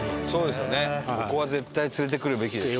ここは絶対連れてくるべきですね。